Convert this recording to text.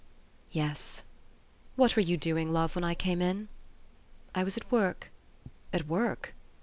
Yes. What were you doing love, when I came in? " "I was at work." "At work?"